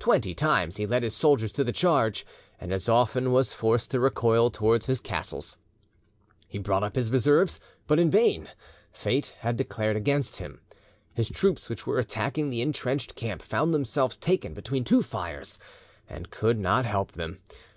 Twenty times he led his soldiers to the charge, and as often was forced to recoil towards his castles. He brought up his reserves, but in vain. Fate had declared against him. His troops which were attacking the intrenched camp found themselves taken between two fires, and he could not help them.